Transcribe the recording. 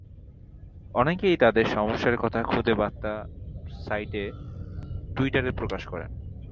অনেকেই তাঁদের সমস্যার কথা খুদে বার্তার সাইট টুইটারে প্রকাশ করেন।